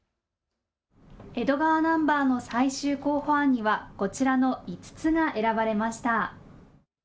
江戸川ナンバーの最終候補案にはこちらの５つが選ばれました。